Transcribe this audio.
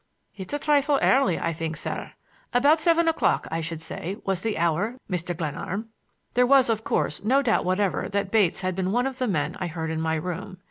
"It's a trifle early, I think, sir. About seven o'clock, I should say, was the hour, Mr. Glenarm." There was, of course, no doubt whatever that Bates had been one of the men I heard in my room.